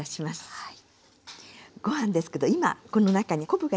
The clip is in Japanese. はい。